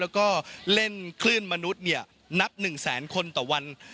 แล้วก็เล่นคลื่นมนุษย์นับ๑แสนคนต่อวัน